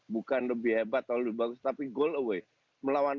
bukan lebih hebat atau lebih bagus tapi goal away